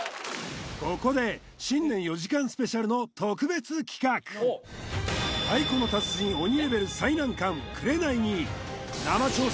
ここで新年４時間スペシャルの特別企画太鼓の達人おにレベル最難関「紅」に生挑戦